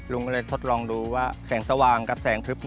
ลุงก็เลยทดลองดูว่าแสงสว่างกับแสงทึบ